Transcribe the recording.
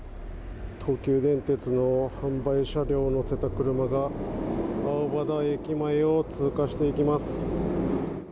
東急電鉄の販売車両を載せた車が青葉台駅前を通過していきます。